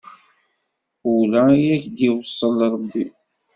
Ula i ak-d-iwṣel Ṛebbi!